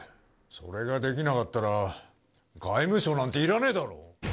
それができなかったら外務省なんていらねぇだろ。